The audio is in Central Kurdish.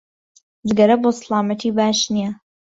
جگەرە بۆ سڵامەتی باش نییە